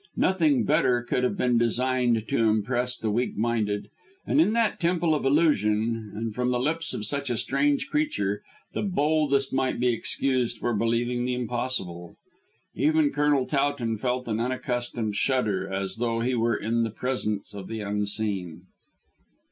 Nothing better could have been designed to impress the weak minded; and in that Temple of Illusion and from the lips of such a strange creature the boldest might be excused for believing the impossible. Even Colonel Towton felt an unaccustomed shudder, as though he were in the presence of the Unseen.